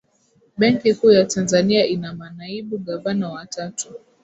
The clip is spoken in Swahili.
benki kuu ya tanzania ina manaibu gavana watatu